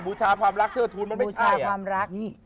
บูชาความรักเท่าทุนมันไม่ใช่อ่ะบูชาความรักบูชาความรัก